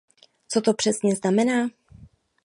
Co to přesně znamená?